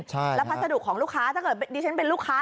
แล้วพัสดุของลูกค้าถ้าเกิดดิฉันเป็นลูกค้า